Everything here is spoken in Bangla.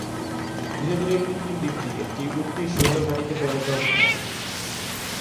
ধীরে ধীরে কৃত্রিম দ্বীপটি একটি উঠতি সৈন্য ঘাঁটিতে পরিণত হতে থাকে।